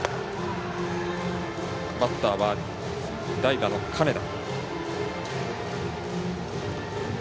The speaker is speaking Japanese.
バッターは代打の金田。